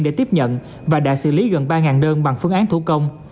để tiếp nhận và đã xử lý gần ba đơn bằng phương án thủ công